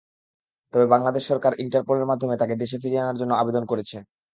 তবে বাংলাদেশ সরকার ইন্টারপোলের মাধ্যমে তাঁকে দেশে ফিরিয়ে নেওয়ার জন্য আবেদন করেছে।